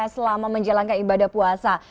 selama menjalankan ibadah puasa